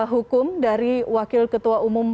hukum dari wakil ketua umum